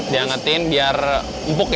diangetin biar empuk ya